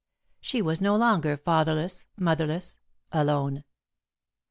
She was no longer fatherless, motherless; alone.